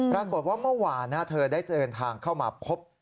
ปรากฏว่าเมื่อวานเธอได้เดินทางเข้ามาพบ